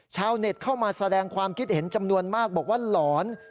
ชาวเน็ตเข้ามาแสดงความคิดเห็นจำนวนมากบอกว่าหลอน